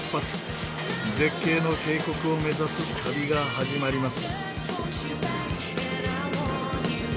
絶景の渓谷を目指す旅が始まります。